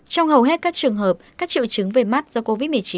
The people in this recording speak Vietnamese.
trong hầu hết các trường hợp các triệu chứng về mắt do covid một mươi chín